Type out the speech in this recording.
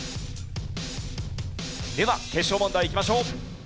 では決勝問題いきましょう。